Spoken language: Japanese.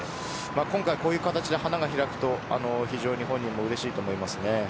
こういう形で花開くと本人もうれしいと思います。